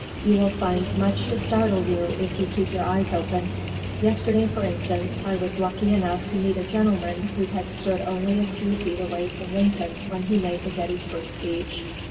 You will find much to startle you if you keep your eyes open. Yesterday, for instance, I was lucky enough to meet a gentleman who had stood only a few feet away from Lincoln when he made the Gettysburg Speech.